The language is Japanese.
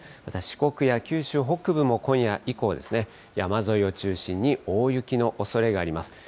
また四国や九州北部も今夜以降、山沿いを中心に大雪のおそれがあります。